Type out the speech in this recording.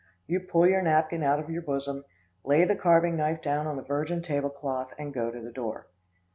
You pull your napkin out of your bosom, lay the carving knife down on the virgin table cloth, and go to the door.